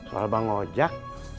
soal bang ojak